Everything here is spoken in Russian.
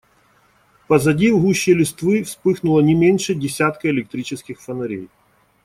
Позади, в гуще листвы, вспыхнуло не меньше десятка электрических фонарей.